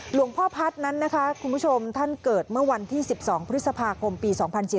หลวงพ่อพัฒน์นั้นนะคะคุณผู้ชมท่านเกิดเมื่อวันที่๑๒พฤษภาคมปี๒๔๙